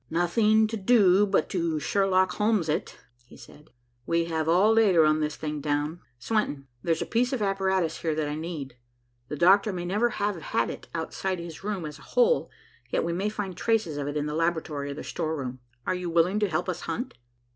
"Nothing to do but to Sherlock Holmes it," he said. "We have all day to run this thing down. Swenton, there's a piece of apparatus here that I need. The doctor may never have had it outside his room as a whole, yet we may find traces of it in the laboratory or the storeroom. Are you willing to help us hunt?"